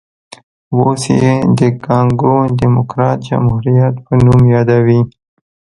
اوس یې د کانګو ډیموکراټیک جمهوریت په نوم یادوي.